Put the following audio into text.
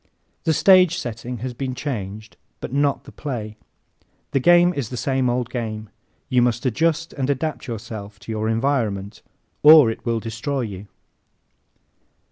The stage setting has been changed but not the play. The game is the same old game you must adjust and adapt yourself to your environment or it will destroy you.